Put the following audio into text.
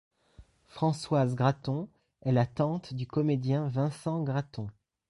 Françoise Graton est la tante du comédien Vincent Graton.